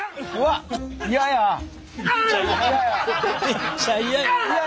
めっちゃ嫌や。